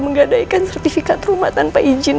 menggadaikan sertifikat rumah tanpa izin